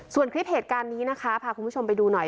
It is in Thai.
ส่วนคลิปเหตุการณ์นี้นะคะพาคุณผู้ชมไปดูหน่อย